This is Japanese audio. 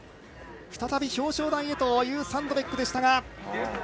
再び表彰台へというサンドベックでしたが。